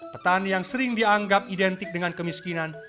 petani yang sering dianggap identik dengan kemiskinan